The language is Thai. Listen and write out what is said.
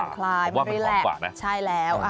มันฟันคลายมันรีแลกใช่แล้ว